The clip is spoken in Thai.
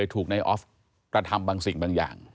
ถูกนายออฟกระทำบางสิ่งบางอย่าง